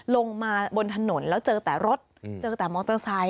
ลงมาบนถนนแล้วเจอแต่รถเจอแต่มอเตอร์ไซค